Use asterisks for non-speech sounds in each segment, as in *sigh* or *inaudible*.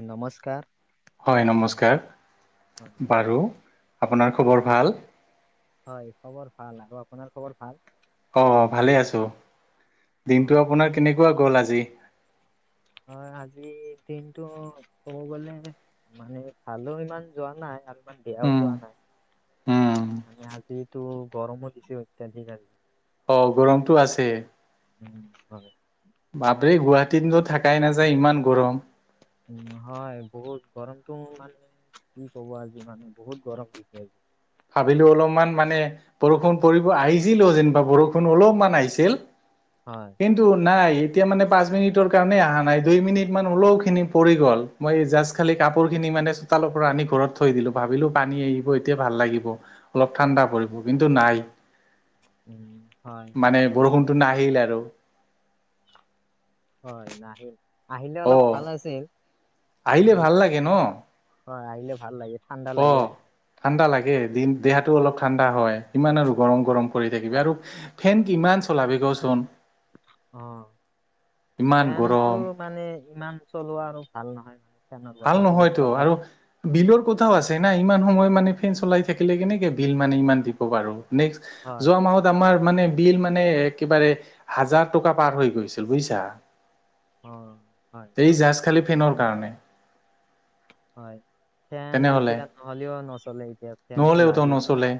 অ' নমস্কাৰ। হয়, নমস্কাৰ, হয় বাৰু আপোনাৰ খবৰ ভাল? হয় খবৰ ভাল আৰু আপোনাৰ খবৰ ভাল? অ' ভালে আছো। দিনটো অ'। আপোনাৰ কেনেকুৱা গ'ল আজি? হয় আজিৰ দিনটো ক'ব গলে মানে ভালো ইমান যোৱা নাই আৰু। ইমান বেয়াও উম যোৱা উম নাই মানে আজিতো গৰমো দিছো অত্য়াধিক আজি। অ' গৰমতটো আছে। উম হয়। বাপৰি গুৱাহাটীতো থাকাই নাযায়, ইমান গৰম। উ হয় বহুত গৰমটো মান কি ক'ব আজি মানে বহুত গৰম দি আ ভাবিলো অলপমান মানে বৰষুণ পৰিব, আহিছিলোও যেনিবা বৰষুণ অলপমান আহিছিল হয়, কিন্তু নাই। এতিয়া মানে পাঁচ মিনিটৰ কাৰণে অহা নাই দুই মিনিট মান হল খিনি পৰি গ'ল মই জা খালি কাপোৰ খিনি মানে চোতালৰ পৰা আনি ঘৰত থৈ দিলো ভাবিলো পানী আহিব এতিয়া ভাল লাগিব। অলপ ঠাণ্ডা পৰিব, কিন্তু নাই। উম, হয় মানে সেইটো বৰষুণটো নাহিল আৰু। হয়, নাহিল আহিলে অলপ ভাল আছিল। আহিল কিন্তু ভাল লাগে ন'। হয়, আহিলে ভাল লাগে। ঠাণ্ডা লাগে অ' আহিলে ঠাণ্ডা লাগে, দিন দেহাটো অলপ ঠাণ্ডা হয়, ইমান আৰু গৰম গৰম কৰি থাকিবি, আৰু ফেন কিমান চলাবি কচোন। অ' ইমান ফেনতটো গৰম মানে ইমান চলোৱা আৰু ভাল নহয় মানে। ফেনৰ ভাল বতাহটো বেছি নহয়তো অভাৰ আৰু বিলৰ কথাও আছে না ইমান। সময়ত মানে ফেন চলাই থাকিলে কেনেকে বিল মানে ইমান দিব পাৰো, নেক্স হয় যোৱা মাহত আমাৰ মানে বিল মানে একেবাৰে হাজাৰ টকা পাৰ হৈ গৈছিল, বুজিছা। অ', হয়। খালী ফেনৰ কাৰণে। হয়, ফেন তেনেহলে এতিয়া নহ'লেও নচলে। এতিয়া ফেনটো নহলেওতো লাগেই গৰম নচলে।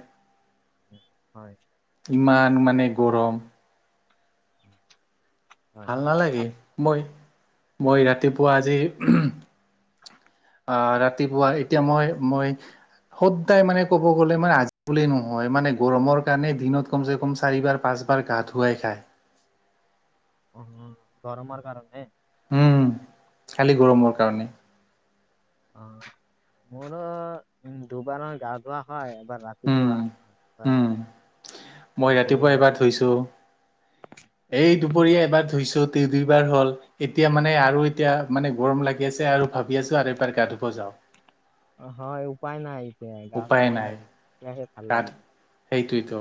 হয় ইমান মানে। গৰম হয় ভাল নালাগে আপ- মই মই ৰাতিপুৱা আজি। আহ ৰাতিপুৱা এতিয়া, মই-মই সদায় মানে ক'ব গ'লে মানে আজি বুল নহয় মানে গৰমৰ কাৰণে দিনত কমচে কম চাৰিবাৰ পাঁচ পাঁচবাৰ গা ধুৱাই খায়। উম গৰমৰ কাৰণে। উম, খালি গৰমৰ কাৰণে। অ' মোৰো উ দুবাৰ মান গা ধোৱা হয়। এবাৰ উম ৰাতিপুৱা। উম মই ৰাতিপুৱা দুপৰীয়া এবাৰ ধুইছো, এই দুপৰীয়া এবাৰ ধুইছো দুইবাৰ হ'ল, এতিয়া মানে আৰু এতিয়া মানে গৰম লাগি আছে, আৰু ভাবি আছো আৰু এইবাৰ গা ধুব যাওঁ। এ' গাঁৱত উপায় ধুবই নাই লাগিল, সেয়াহে ভাল লাগিল। দ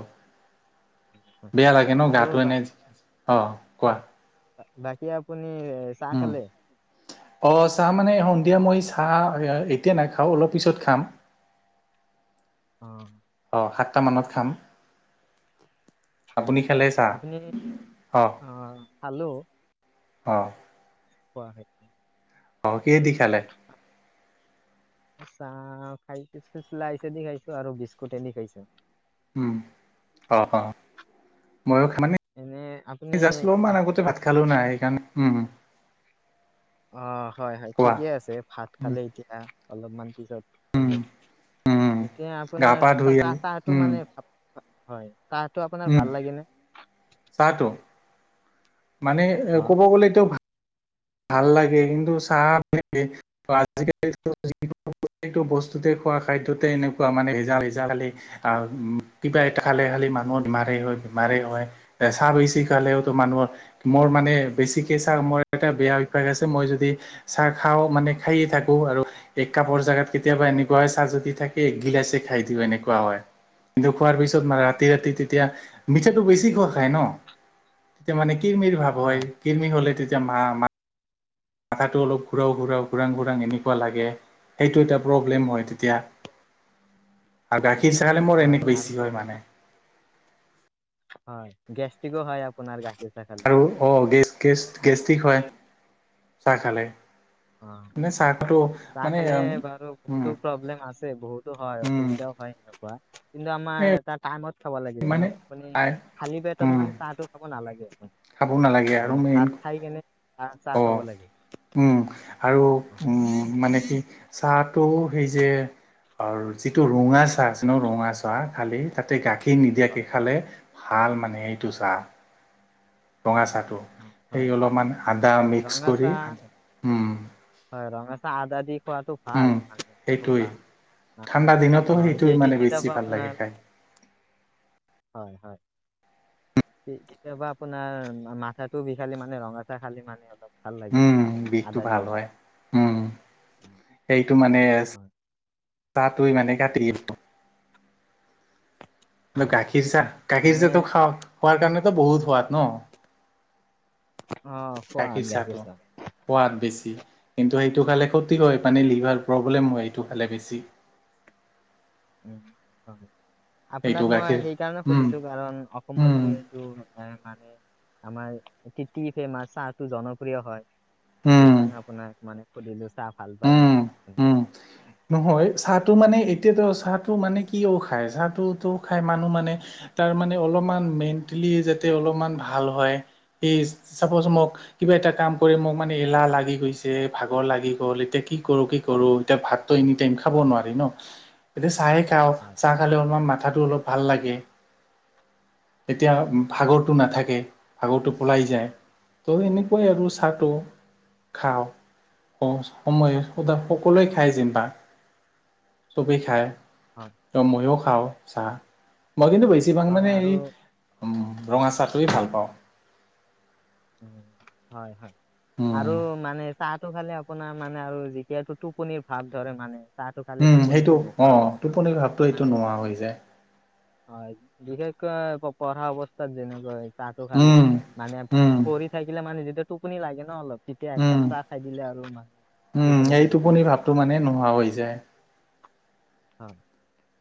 বেয়া লাগে ন, আৰু গাটো এনে, বাকী অ' কোৱা। বাকী আপুনি এ, চাহ উম, খালে অ' চাহ মানে এতিয়া মই চাহ এতিয়া নাখাওঁ অলপ পিছত খাম। অ'। অ সাতটা মানত খাম। হয়, আপুনি খালে চাহ? আপুনি অ' খালো। অ'। কোৱা হয়। অ' কি দি খালে? *inaudible* চাহ খাইছ, চ চলাছেদি খাইছো আৰু বিস্কুটেদি খাইছো। উম আহ। ময়ো *unintelligible* মানে এনে আপুনি জাষ্ট অপমান আগতে ভাত খালেও না, সেইকাৰণে অ', হয় হয় কোৱা। ঠিকে আছে ভাত উম খালে এতিয়া অলপমান পিছত উম হ'ব, উম এতিয়া গা আপোনাৰ পা ধুই চাহ আহি চাহটো উম মানে, হয়। কাহটো আপোনাৰ উম ভাল লাগে ন? চাহটো মানে এ ক'ব গ'লে এতিটো ভাল লাগে, কিন্তু চাহ লাগে *unintelligible* আজিকাল যোনো *unintelligible* প্ৰটিতো বস্তুতে খোৱা খাদ্য এনেকুৱা মানে, জজ খি কিবা এটা খালে খালে মানুহৰ বমাৰে হয় বমাৰে হয় চাহ বেছি খালেও মানুহৰ মোৰ মানে বেছিকে মোৰ এটা বেয়া অভ্যাস আছে মই যদি চাহ খাওঁ মানে খাইে থাকো আৰু। এক কাপৰ জোগাত কেতিয়াবা এনেকুৱা হয় চাহ যদি থাকে একগিলাচে খাই দিও এনেকুৱা হয়। কিন্তু খোৱাৰ পিছত মানে ৰাতি ৰাতি তেতিয়া মিঠাটো বেছি খোৱা খায় ন তেতিয়া মানে কিৰৰ্মিৰ ভাৱ হয় কিৰৰ্মি হ'লে তেতিয়া মা- মা আথাটো অলপ ঘূৰাও ঘূৰাও, ঘূৰাং- ঘূৰাং এনেকুৱা লাগে। সেইটো এটা প্ৰব্লেম হয় তেতিয়া গাখীৰ চা খালে মোৰ হয় এনে আৰু বেছি হয় আপোনাৰ মানে। হয় গেষ্টিকো হয় আপোনাৰ গাছে। আৰু অ গে - গে গেষ্টিক হয় চাহ খালে। অ মানে চাহটো চাহ মানে খালে বাৰু বহুতো উম প্ৰব্লেম আছে। বহুতো হয় উম অসুবিধাও হয় এনেকুৱা কিন্তু আমাৰ এই এটা টাইমত। খাব লাগে যেনে মানে খালী পেটত উম মানে চাহটো খাব নালাগে। খাব নালাগে আৰু মানে মেইন ভাত খাই কেনে চাহ চাহ অ খাব লাগে। উম। আৰু অ, মানে কি চাহটো সেই যে আৰু যিটো ৰঙা চাহ আছে ন ৰঙা চাহ খালি তাতে গাখীৰ। সেই হয় নিদিয়াকৈ খালে ভাল মানে এইটো চাহ। ৰঙা চাহটো সেই হয় অলপমান আদা হয় মিক্স ৰঙা কৰি চাহ উম। হয় ৰঙা আদা দি খোৱাাতটো ভাল উম মানে এনেও সেইটোৱেই ভাল। মানে ঠাণ্ডা দিনতো হয় সেইটো কি ই কি মানে বেছি কেতিয়াবা ভাল লাগে আপোনাৰ খাই। হয় হয়। কেতিয়াবা আপোনাৰ মাথাটো বিষালে মানে ৰঙাচা খালী মানে অলপ। ভাল লাগে উম বিষটো আদা দি ভাল কিনে। হয় উম উম, সেইটো মানে। *inaudible* চাহ তই মানে কাটি দিল *inaudible* কিন্তু হয় গাখীৰ চাহ গাখীৰ মানে চাহটো খা খোৱাৰ কাৰণেতো বহুত সোৱাদ নহ। অ খোৱা গাখীৰ চাহটো চাহ সোৱাদ বেছি। কিন্তু সেইটো খালে ক্ষতি হয় মানে লিভাৰ প্ৰব্লেম হয় সেইটো খালে বেছি। উম হয় সেইটো আপোনাক মই গাখীৰ সেইকাৰণে উম সুধিছো কাৰণ অসমৰ উম যিহেতু। এ মানে আমাৰ টিটি ফেমাছ চাহটো জনপ্ৰিয় হয়। উম সেইকাৰণে আপোনাক মানে সুধিলো। চাহ ভাল পায় উম নেকি আপুনি উম নহয় চাহটো মানে এতিয়াত চাহটো মানে কি খায় চাহটোত খায় মানুহ মানে তাৰ মানে অলপমান মেন্টেলি যাতে এ অলপমান ভাল হয়। এই চাপজ মোক কিবা এটা কাম কৰি মোক মানে এলাহ লাগি গৈছে ভাগৰ লাগি গ'ল এতিয়া কি কৰো কি কৰো এতিয়া ভাতটো এনি টাইম খাব নোৱাৰি ন এতিয়া চাই তাও হয় চাহ খালে অলপমান মাথাটো অলপ ভাল লাগে। এতিয়া ভাগৰটো নাথাকে ভাগৰটো পলাই যায়। ত এনেকুৱাই আৰু চাহটো খাওঁ ক সময় সদা সকলোৱে খায় জিম্বা চবেই খায়। হয় ত ময়ো খাও চাহ। মই কিন্তু বেছিভাগ হয় মানে আৰু এই ৰঙা চাহটোৱেই ভাল পাওঁ। হয় হয় উম আৰু মানে চাহটো খালে আপোনাৰ মানে আৰু যেতিয়াটো টোপনিৰ ভাৱ ধৰে মানে। চাহটো খালে উম টোপনিটো সেইটো অ নোহোৱা হয় টোপনি ভাৱটো এইটো মানে নোহোৱা হৈ যায়। হয় বিশেষকৈ পঢ়া অৱস্থাত যেনেকৈ তাতো খালি উম মানে উম পঢ়ি থাকিলে মানে যেতিয়া টোপনি লাগে ন অলপ তেতিয়া উম একাপ চাহ খাই দিলে আৰু মানে উম টোপনিটো এই গুচি টোপনি যায় ভাৱটো মানে নোহোৱা হৈ যায়। হ।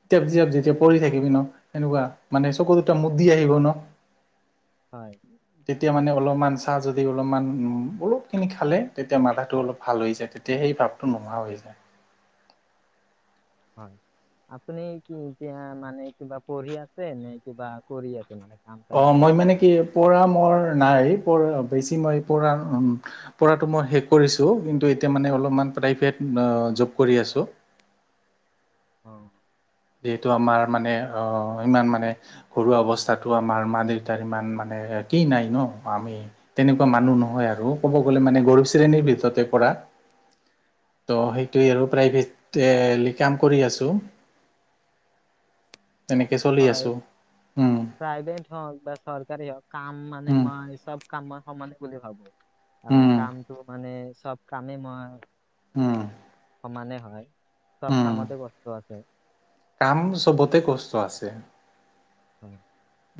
তিয়াপ জিয়াপ যেতিয়া পঢ়ি থাকিবি ন সেনেকুৱা মানে চকু দুটা মুদি আহিব ন হয়। তেতিয়া মানে অলপমান চাহ যদি অলপমান অলপখিনি খালে তেতিয়া মাথাটো অলপ ভাল হৈ যায় তেতিয়া সেই সেই ভাপটো নোহোৱা হৈ যায়। হয়। আপুনি কি এতিয়া মানে কিবা পঢ়ি আছে নে কিবা কৰি আছে মানে কাম চাম অ কৰি মই মানে আছে? কি পৰা মোৰ নাই। পঢ়া বেছি মই পঢ়া অ, পঢ়াটো মই শেষ কৰিছোঁ কিন্তু এতিয়া মানে অলপমান প্ৰাইভেট জব কৰি আছো অ', যিহেতু আমাৰ মানে অ, ইমান মানে ঘৰুৱা অৱস্থাতো আমাৰ মা-দেউতাৰ ইমান মানে এ কি নাই ন আমি তেনেকুৱা মানুহ নহয় আৰু ক'ব গ'লে মানে গৰীৱ শ্ৰেণীৰ ভিতৰতে পৰা। *inaudible* ত' সেইটোৱে আৰু প্ৰাইভেটেলি কাম কৰি আছো। এ চলি হয় আছোঁ। উম, প্ৰাইভেট হওক বা চৰকাৰী হওক কাম মানে উম, মই চব কাম মই সমানে। বুলি ভাবো কাৰণ উম, কামটো মানে চব কামেই মই উম, সমানে হয় চব উম, কামতে কষ্ট আছে। কাম চবতে কষ্ট আছে। হয়।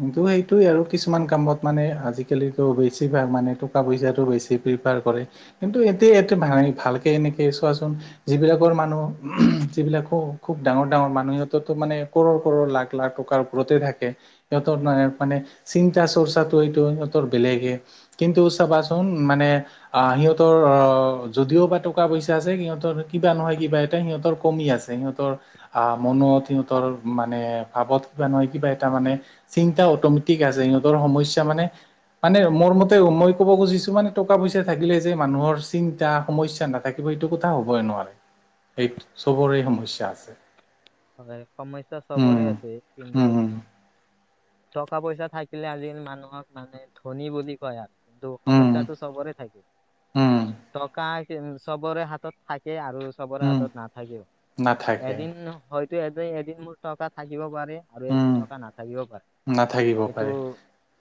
কিন্তু সেইটোয়ে আৰু কিছুমান কামত মানে আজিকালিটো বেছি ভাগ মানে টকা পইচাটো বেছিকে কৰে কিন্তু এতে এতে মা ভালকে এনেকে চোৱাচোন যিবিলাকৰ মানুহ এইবিলাকো খুব ডাঙৰ-ডাঙৰ মানুহসিহঁতৰতো মানে কৰোৰ-কৰোৰ, লাখ- লাখ টকাৰ ওপৰতে থাকে। সিহতৰ ন মানে চিন্তা চৰ্চাটো সেইটো সিহতৰ বেলেগে কিন্তু চাবাচোন মানে এ আ সিহঁতৰ অ, যদিও বা টকা পইচা আছে সিহঁতৰ কিবা নহয় কিবা এটা সিহঁতৰ কমি আছে সিহঁতৰ আহ মনত সিহঁতৰ মানে ভাৱত কিবা নহয় কিবা এটা মানে চিন্তা অটমেটিক আছে সিহঁতৰ সমস্যা মানে মানে মোৰ মতে মই ক'ব খুজিছো মানে টকা পইচা থাকিলে যে মানুহৰ চিন্তা সমস্যা নাথাকিব অ, সেইটো কথা হ'বই নোৱাৰে এইত চবৰে সমস্যা আছে। হয় সমস্যা চবৰে উম আছে কিন্তু উম টকা পইচা থাকিলে আজিকালি মানুহক মানে ধনী বুলি কয় আৰ কিন্তু উম উম সমস্যাটো চবৰে থাকে উম টকা কি চবৰে হাতত থাকে আৰ আৰু চবৰে উম হাতত নাথাকিব নাথাকে এদিন হয়তো এদে -এদিন মোৰ টকা থাকিব বা *unintelligible* আৰু এদিন উম টকা নাথাকিব পাৰে নাথাকিব সেইটো পাৰে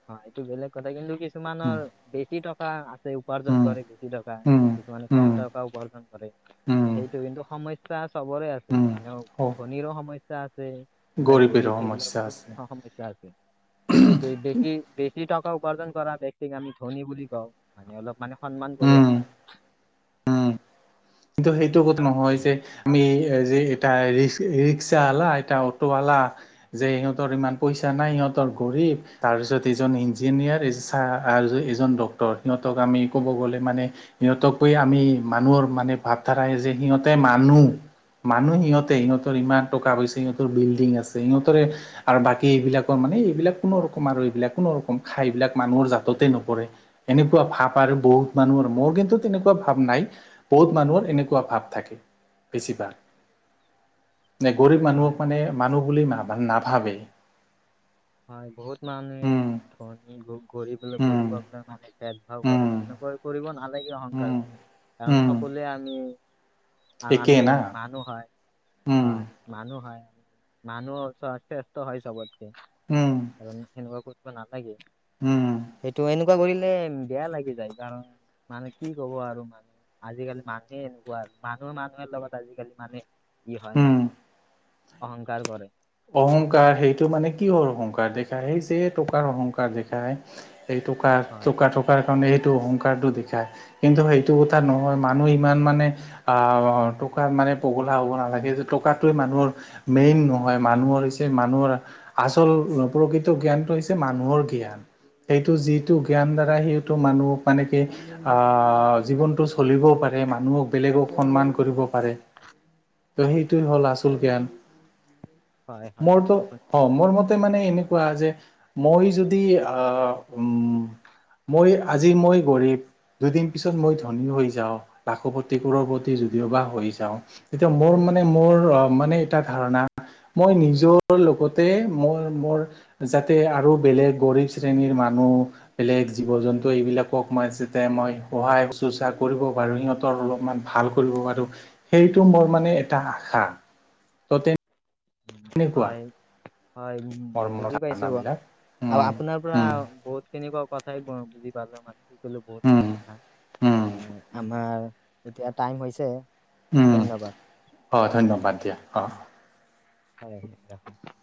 হয় এইটো বেলেগ কথা কিন্তু কিছ কিছুমানৰ উম বেছি টকা আ তে উপাৰ্জন উম কৰে বেছি টকা উম, কিছুমানে কম উম, টকা উপাৰ্জন কৰে উম, সেইটো কিন্তু সম স্যা চবৰে আছে উম, মানে হ ধনীৰো সমস্যা আছ সিবিলাক গৰীবেৰো গৰীব সমস্যা সেইবিলাকৰো আছে। সমস্যা আছে। কিন্তু ব বেছি বেছি টকা উপাৰ্জন কৰা ব্যক্তিক আমি ধনী বুলি কওঁ। মানে অলপ মানে সন্মান কৰো উম। আমি কিন্তু সেইটোত নহয় যে আমি এ যে এটা ৰি ৰিক্সা আলা এটা অটো আলা যে সিহঁতৰ ইমান পইচা নাই ইহঁতৰ গৰিব তাৰ পিছত এজন ইঞ্জিনিয়াৰ চ এজন ডক্তৰ সিহঁতক আমি ক'ব গলে মানে সিহঁতকৈ আমি মানুহৰ মানে ভাৱ ধাৰাই যে সিহতেই মানুহ মানুহ সিহঁতে সিহঁতৰ ইমান টকা পইচা সিহঁতৰ বিল্ডিং আছে সিহঁতৰে আৰু বাকী এইবিলাকৰ মা মানে এইবিলাক কোনোৰোকম আৰু এইবিলাক কোনো ৰকম খাই এইবিলাক মানুহৰ জাততে নপৰে। এনেকুৱা ভাব আৰু বহুত মানুহৰ মোৰ কিন্তু তেনেকুৱা ভাব নাই। বহুত মানুহৰ এনেকুৱা ভাৱ থাকে বেছিভাগ। নে গৰীব মানুহক হয় মানে মানুহ বুলি না নাভাবে। হয়। বহুত মানুহে উম ধনী গৰিব গৰিবক উম লৈ পেলাই মানে ভেদ-ভাও কৰে উম সেনেকুৱা কৰি কৰিব নালাগে অহংকাৰ। উম কাৰণ উম সকলোৱে আমি আৰু আমি একেই না মানুহ হয়। উম হয় মানুহ হয়। মানুহ চোৱা শ্ৰেষ্ঠ হয় চবতকে। উম কাৰণ সেনেকুৱা কৰিব নালাগে। উম সেইটো এনেকুৱা কৰিলে বেয়া লাগি যায় কাৰণ মানে কি ক'ব আৰু মানে আজিকালি মানুহে এনেকুৱা। মানুহে মানুহৰ লগত আজিকালি মানে ই হয় উম মানে অহংকাৰ কৰে। অহংকাৰ সেইটো মানে কিহৰ অহংকাৰ দেখায়, সেই যে টকাৰ অহংকাৰ দেখায় এইটোকে আৰু হয় টকা থকাৰ মানে এইটো অহংকাৰটো দেখাই। কিন্তু সেইটো কথা নহয় মানুহ ইমান মানে, আহ' টকাৰ মানে পগলা হ'ব নালাগে যে টকাটোৱে মানুহৰ মেইন নহ হয়, মানুহৰ হৈছে মানুহৰ আচল প্ৰকৃত জ্ঞানটো হৈছে মানুহৰ জ্ঞান। এইটো যিটো জ্ঞান দ্বাৰা সেইটো মানুহক মানে কি আহ' জীৱনটো চলিবও পাৰে এই মানুহক বেলেগক সন্মান কৰিব পাৰে। সেইটো হ'ল আচল জ্ঞান। হয় হয় মোৰতো আপুনি অ', ঠিকে মোৰ কৈছে মতে মানে এনেকুৱা যে- মই যদি আহ, উম, মই আজি মই গৰীব দুদিন পিছত মই ধনী হৈ যাওঁ, লাখপতি, কাড়োৰপতি যদিওবা হৈ যাওঁ, তেতিয়া মোৰ মানে মোৰ অ' মানে এটা ধাৰণা মই নিজৰ লগতে মই মোৰ যাতে আৰু বেলেগ গৰীব শ্ৰেণীৰ মানুহ বেলেগ জীৱ-জন্তু এইবিলাকক মই যাতে মই সহায়-শুশ্ৰূষা কৰিব পাৰোঁ, সিহঁতৰ অকণমান ভাল কৰিব পাৰোঁ, সেইটো মোৰ মানে এটা আশা, ত' তে হয়। হয়, উম, মোৰ মনৰ বুজি পাইছো ধাৰণাবিলাক আৰু উম আপোনাৰ পৰা উম বহুত তেনেকুৱা কথাই ব বুজি পালো মানে কি ক'লো বহুতখিনি উম কথা উম, আমাৰ এতিয়া টাইম হৈছে ধন্যবাদ। অ', ধন্যবাদ দিয়া অ'। অ', ৰাখোঁ।